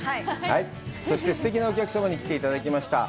そして、すてきなお客様に来ていただきました。